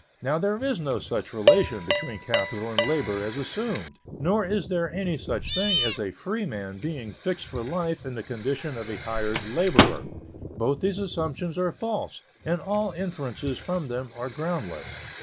Now there is no such relation between capital and labor as assumed, nor is there any such thing as a free man being fixed for life in the condition of a hired laborer. Both these assumptions are false, and all inferences from them are groundless.